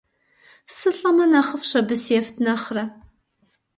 СылӀэмэ нэхъыфӀщ, абы сефт нэхърэ.